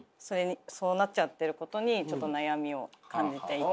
そうなっちゃってることにちょっと悩みを感じていて。